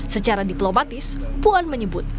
secara diplomatis puan menyebut